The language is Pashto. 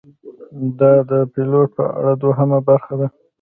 دا ده د پیلوټ په اړه دوهمه برخه: